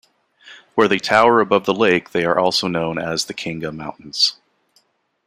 Where they tower above the lake they are also known as the Kinga Mountains.